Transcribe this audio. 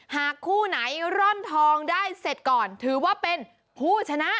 หากคู่ไหนร่อนทองได้เสร็จก่อนถือว่าเป็นผู้ชนะ